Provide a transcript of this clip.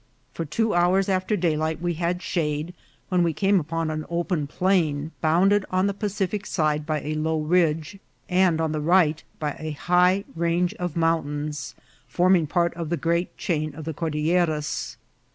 For two hours after daylight we had shade, when we came upon an open plain, bounded on the Pacific side by a low ridge, and on the right by a high range of" mountains, forming part of the great chain of the Cordilleras.